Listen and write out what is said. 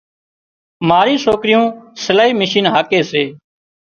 ماري سوڪريون سلائي مِشين هاڪي سي